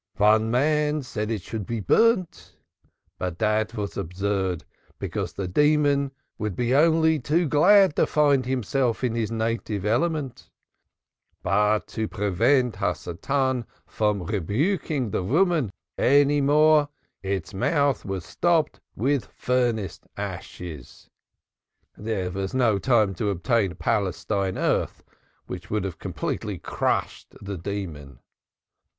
One man said it should be burned, but that was absurd because the demon would be only too glad to find itself in its native element, but to prevent Satan from rebuking the woman any more its mouth was stopped with furnace ashes. There was no time to obtain Palestine earth, which would have completely crushed the demon."